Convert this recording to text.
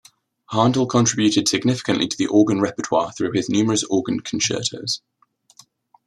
Handel contributed significantly to the organ repertoire through his numerous organ concertos.